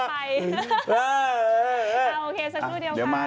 โอเคสักครู่เดียวกัน